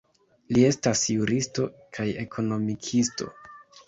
Li estas juristo kaj ekonomikisto.